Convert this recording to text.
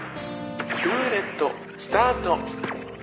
「ルーレットスタート！」